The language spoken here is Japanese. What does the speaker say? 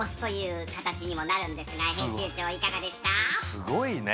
すごいね。